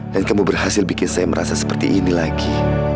dan kamu berhasil bikin saya merasa seperti ini lagi